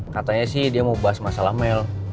katanya sih dia mau bahas masalah mel